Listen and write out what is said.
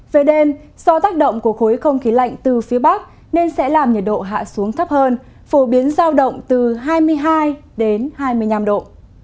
về đêm do tác động của khối không khí lạnh từ phía bắc nên sẽ làm nhiệt độ hạ xuống thấp hơn phổ biến giao động từ hai mươi hai đến hai mươi năm độ